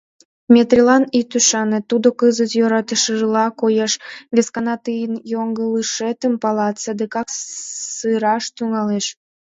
Метрилан ит ӱшане, тудо кызыт йӧратышыла коеш, вескана тыйын йоҥылышетым палат, садыгак сыраш тӱҥалеш.